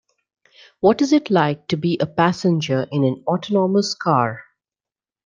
What is it like to be a passenger in an autonomous car?